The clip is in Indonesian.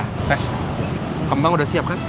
teh kembang udah siap kan